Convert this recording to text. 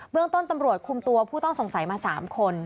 เรื่องต้นตำรวจคุมตัวผู้ต้องสงสัยมา๓คน